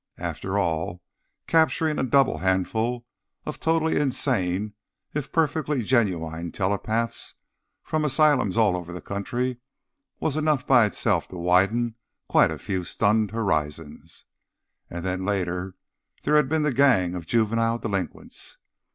After all, capturing a double handful of totally insane, if perfectly genuine telepaths, from asylums all over the country, was enough by itself to widen quite a few stunned horizons. And then, later, there had been the gang of juvenile delinquents.